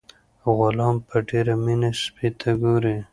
غلام په ډیره مینه سپي ته ګوري.